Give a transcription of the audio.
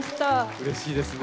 うれしいですね。